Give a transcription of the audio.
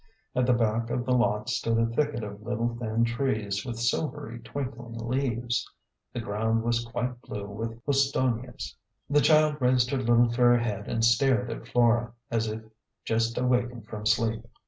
At the back of the lot stood a thicket of little thin trees, with silvery twinkling leaves. The ground was quite blue with hous tonias. The child raised her little fair head and stared at Flora, as if just awakened from sleep.